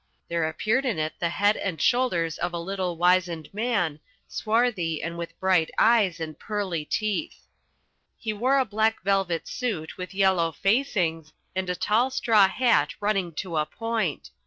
There appeared in it the head and shoulders of a little wizened man, swarthy and with bright eyes and pearly teeth. He wore a black velvet suit with yellow facings, and a tall straw hat running to a point.